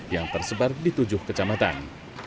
yang tersebar di tujuh kecamatan